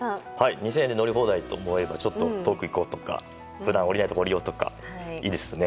２０００円で乗り放題というと遠くへ行こうとか普段降りないところ降りようとかいいですね。